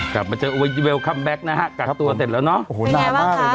กลับมาเจอเวลคัมแก๊กนะฮะกักตัวเสร็จแล้วเนาะโอ้โหนานมากเลยนะ